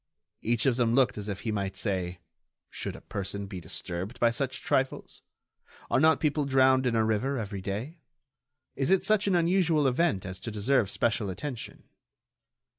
Each of them looked as if he might say: Should a person be disturbed by such trifles? Are not people drowned in a river every day? Is it such an unusual event as to deserve special attention?